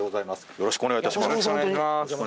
よろしくお願いします。